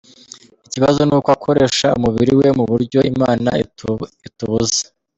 Ikibazo nuko akoresha umubiri we mu buryo imana itubuza.